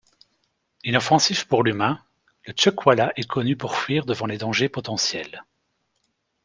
Inoffensif pour l'humain, le chuckwalla est connu pour fuir devant les dangers potentiels.